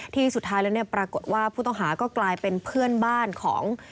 สุดท้ายแล้วปรากฏว่าผู้ต้องหาก็กลายเป็นเพื่อนบ้านของ